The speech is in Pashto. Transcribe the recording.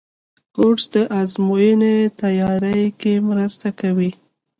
کورس د ازموینو تیاري کې مرسته کوي.